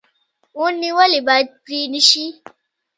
ونې ولې باید پرې نشي؟